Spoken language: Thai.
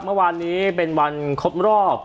เมื่อวานนี้เป็นวันครบรอบ